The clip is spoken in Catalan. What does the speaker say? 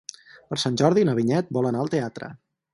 Per Sant Jordi na Vinyet vol anar al teatre.